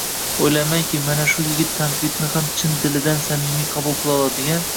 O‘ylaymanki, mana shu yigit tanqidni ham chin dilidan samimiy qabul qila oladigan